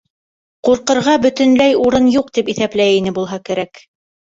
Ҡурҡырға бөтөнләй урын юҡ, тип иҫәпләй ине булһа кәрәк.